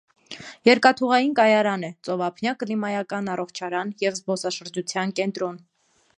Երկաթուղային կայարան է, ծովափնյա կլիմայական առողջարան և զբոսաշրջության կենտրոն։